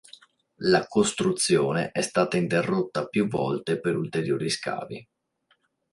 La costruzione è stata interrotta più volte per ulteriori scavi.